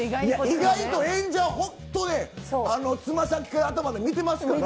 意外と演者はつま先から頭まで見てますから。